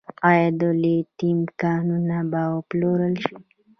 آیا د لیتیم کانونه به وپلورل شي؟